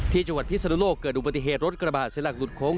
ที่จังหวัดพิศนุโลกเกิดอุบัติเหตุรถกระบะเสียหลักหลุดโค้ง